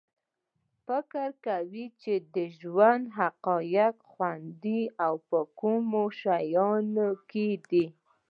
څه فکر کوی چې د ژوند حقیقي خوند په کومو شیانو کې ده